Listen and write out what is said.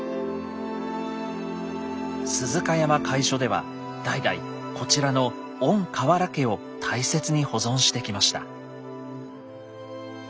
鈴鹿山会所では代々こちらの「御土器」を大切に保存してきました。